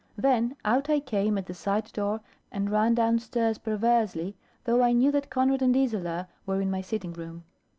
Then out I came at the side door, and ran downstairs perversely, though I knew that Conrad and Isola were in my sitting room.